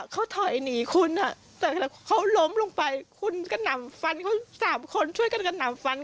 คุณกระน่ำฟัน